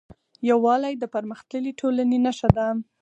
یووالی د پرمختللې ټولنې نښه ده.